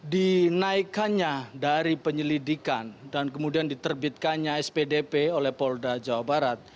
dinaikannya dari penyelidikan dan kemudian diterbitkannya spdp oleh polda jawa barat